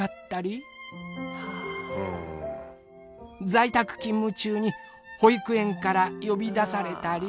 在宅勤務中に保育園から呼び出されたり。